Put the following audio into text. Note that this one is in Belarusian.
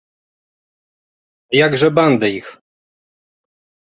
А як жа банда іх?